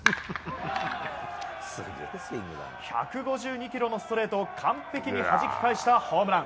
１５２キロのストレートを完璧にはじき返したホームラン。